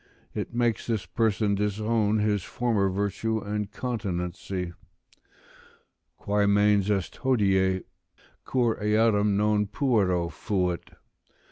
It makes this person disown his former virtue and continency: "Quae mens est hodie, cur eadem non puero fait?